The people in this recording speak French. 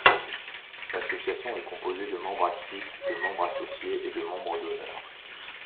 L’association est composée de membres actifs, de membres associés et de membres d’honneur.